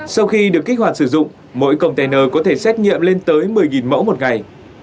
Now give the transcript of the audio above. sau khi được kích hoạt sử dụng mỗi container có thể xét nghiệm lên tới một mươi mẫu một ngày